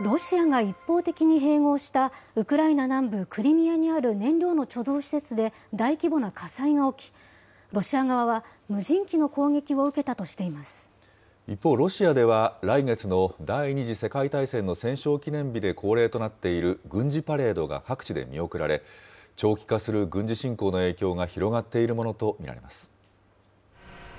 ロシアが一方的に併合したウクライナ南部クリミアにある燃料の貯蔵施設で大規模な火災が起き、ロシア側は無人機の攻撃を受けた一方ロシアでは、来月の第２次世界大戦の戦勝記念日で恒例となっている軍事パレードが各地で見送られ、長期化する軍事侵攻の影響が広がっているものと見られます。